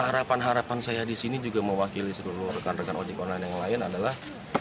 harapan harapan saya di sini juga mewakili seluruh rekan rekan ojek online yang lain adalah